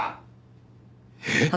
えっ？